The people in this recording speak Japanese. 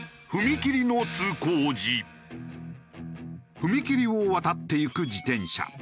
踏切を渡っていく自転車。